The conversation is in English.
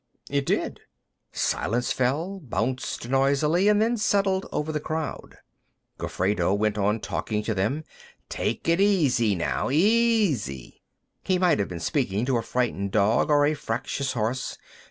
It did. Silence fell, bounced noisily, and then settled over the crowd. Gofredo went on talking to them: "Take it easy, now; easy." He might have been speaking to a frightened dog or a fractious horse.